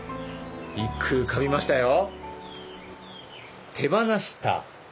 一句浮かびましたよ。